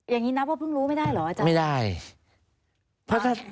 อย่างนี้นับว่าเพิ่งรู้ไม่ได้เหรออาจารย์ไม่ได้